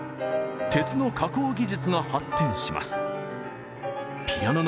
鉄の加工技術が発展します。